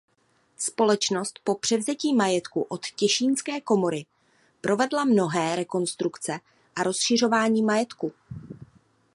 Společnost po převzetí majetku od Těšínské komory provedla mnohé rekonstrukce a rozšiřování majetku.